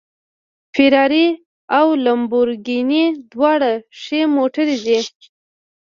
فېراري او لمبورګیني دواړه ښې موټرې دي